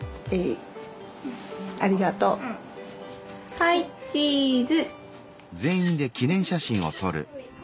はいチーズ。